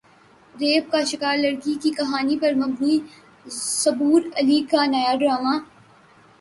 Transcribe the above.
rape کا شکار لڑکی کی کہانی پر مبنی صبور علی کا نیا ڈراما